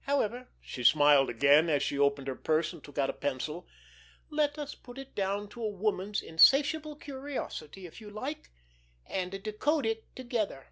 However"—she smiled again, as she opened her purse and took out a pencil—"let us put it down to a woman's insatiable curiosity, if you like, and decode it together."